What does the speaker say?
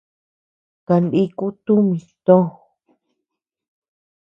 Kaniku tumi tòò.